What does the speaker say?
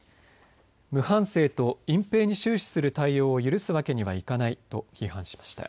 無反省と隠蔽に終始する対応は許すわけにはいかないと批判しました。